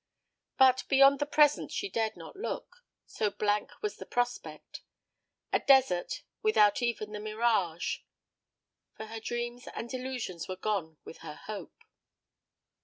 But beyond the present she dared not look, so blank was the prospect a desert, without even the mirage; for her dreams and delusions were gone with her hope.